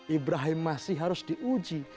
ibrahim masih harus diuji